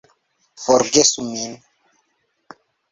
Forgesu min.